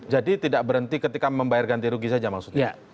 jadi tidak berhenti ketika membayar ganti rugi saja maksudnya